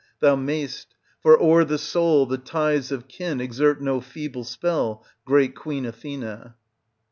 Thou mayst ; for o'er the soul the ties of kin exert no feeble spell, great queen Athena.